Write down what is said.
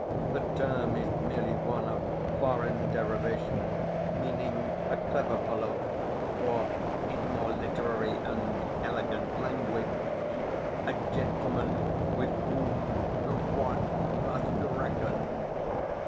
The term is merely one of foreign derivation, meaning a clever fellow, or, in more literary and elegant language, a gentleman with whom one must reckon.